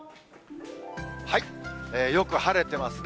よく晴れてますね。